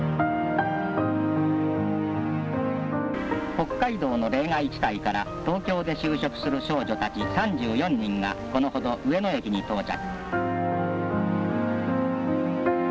北海道の冷害地帯から東京で就職する少女たち３４人がこのほど上野駅に到着。